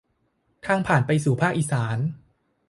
ทางผ่านไปสู่ภาคอีสาน